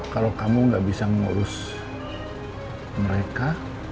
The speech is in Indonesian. kalau kamu nggak bisa ngurus mereka